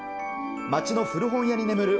町の古本屋に眠る